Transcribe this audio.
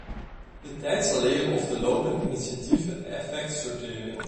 De tijd zal leren of de lopende initiatieven effect sorteren.